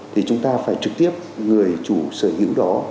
thì chúng ta phải trực tiếp người chủ sở hữu đó